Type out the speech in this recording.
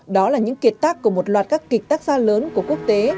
đó là những kiệt tác của một loạt các kịch tác gia lớn của quốc tế